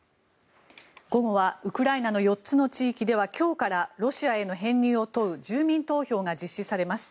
午後はウクライナの４つの地域では今日からロシアへの編入を問う住民投票が実施されます。